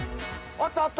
あった。